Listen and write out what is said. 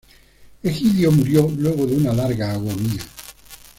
Egidio murió luego de una larga agonía.